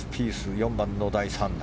４番の第３打。